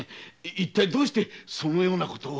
一体どうしてそのような事を？